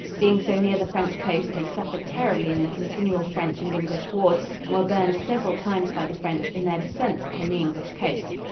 Being so near the French coast, they suffered terribly in the continual French and English wars and were burned several times by the French in their descents upon the English coast.